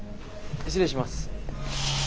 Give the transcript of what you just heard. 失礼します。